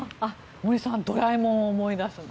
森さんドラえもんを思い出す。